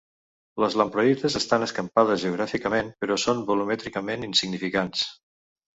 Les lamproïtes estan escampades geogràficament però són volumètricament insignificants.